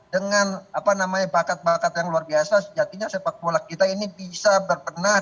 dengan apa namanya bakat bakat yang luar biasa sejatinya sepak bola kita ini bisa berpenah